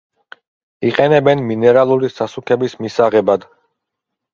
იყენებენ მინერალური სასუქების მისაღებად.